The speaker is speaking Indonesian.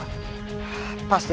pasti ada sesuatu